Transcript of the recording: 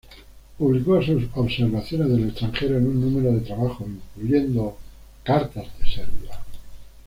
Publicó sus observaciones del extranjero en un número de trabajos, incluyendo "Cartas de Serbia".